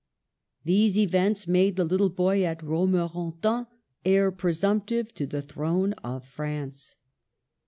These events made the little boy at Romorantin heir presumptive to the throne of France.